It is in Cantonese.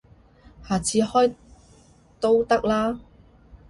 下次開都得啦